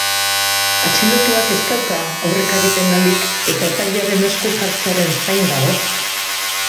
Atxilotuak ez dauka aurrekari penalik eta epailearen esku jartzearen zain dago.